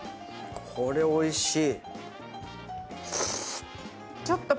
これおいしい。